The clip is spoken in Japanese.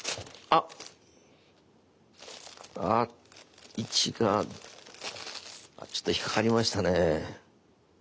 あっ位置がちょっと引っ掛かりましたね。